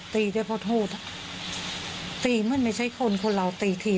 แต่เราต้องซ่านเข้ามานี้